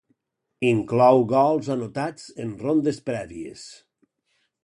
Inclou gols anotats en rondes prèvies.